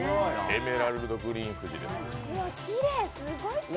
エメラルドグリーン富士です。